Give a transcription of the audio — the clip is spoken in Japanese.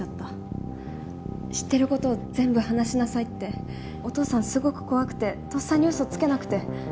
知ってる事を全部話しなさいってお父さんすごく怖くてとっさに嘘つけなくて。